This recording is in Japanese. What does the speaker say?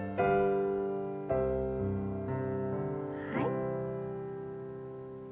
はい。